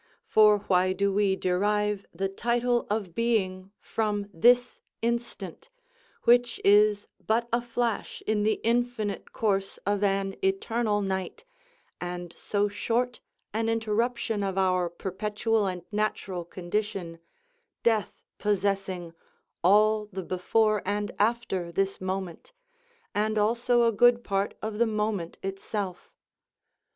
For why do we derive the title of being from this instant, which is but a flash in the infinite course of an eternal night, and so short an interruption of our perpetual and natural condition, death possessing all the before and after this moment, and also a good part of the moment itself.